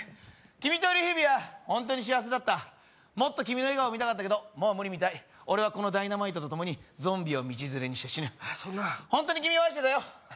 君といる日々は本当に幸せだったもっと君の笑顔を見たかったけどもう無理みたい俺はこのダイナマイトとともにゾンビを道連れにして死ぬそんなホントに君を愛してたよ